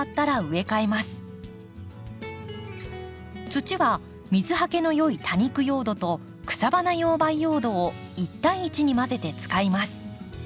土は水はけのよい多肉用土と草花用培養土を１対１に混ぜて使います。